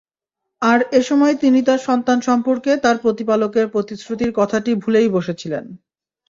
আর এসময় তিনি তাঁর সন্তান সম্পর্কে তাঁর প্রতিপালকের প্রতিশ্রুতির কথাটি ভুলেই বসেছিলেন।